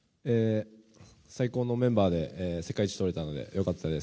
最高のメンバーで世界一とれたので良かったです。